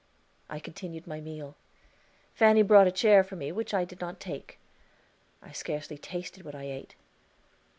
I continued my meal. Fanny brought a chair for me, which I did not take. I scarcely tasted what I ate.